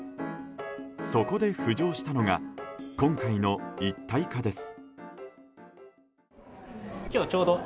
そこで浮上したのが今回の一体化です。